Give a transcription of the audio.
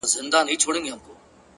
هره تجربه د ژوند نوی رنګ ورزیاتوي,